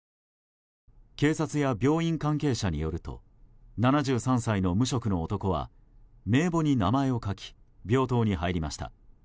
警察や病院関係者によると７３歳の無職の男は名簿に名前を書き病棟に入りました。